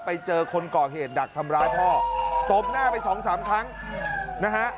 ไปเจอคนก่อเหตุดักทำร้ายพ่อตบหน้าไปสองสามครั้งนะฮะ